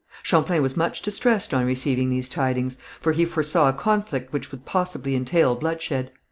Champlain was much distressed on receiving these tidings, for he foresaw a conflict which would possibly entail bloodshed.